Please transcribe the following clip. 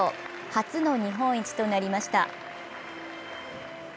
初の日本一となりました。